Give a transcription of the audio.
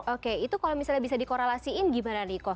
oke itu kalau misalnya bisa dikorelasikan gimana nih koh